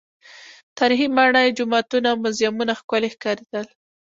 تاریخي ماڼۍ، جوماتونه، موزیمونه ښکلي ښکارېدل.